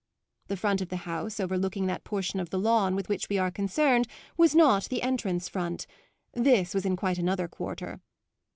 The front of the house overlooking that portion of the lawn with which we are concerned was not the entrance front; this was in quite another quarter.